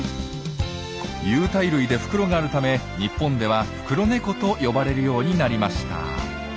有袋類で袋があるため日本ではフクロネコと呼ばれるようになりました。